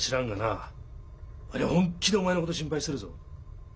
ありゃ本気でお前のこと心配してるぞ。